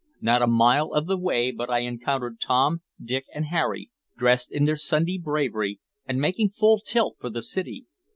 Not a mile of the way but I encountered Tom, Dick, and Harry, dressed in their Sunday bravery and making full tilt for the city.